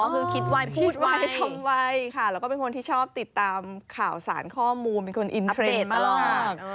คือคิดไวพูดไวทำไวค่ะแล้วก็เป็นคนที่ชอบติดตามข่าวสารข้อมูลเป็นคนอินเทรดตลอด